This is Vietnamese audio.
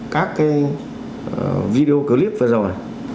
các cái video clip vừa rồi